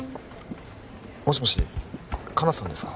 もしもし香菜さんですか？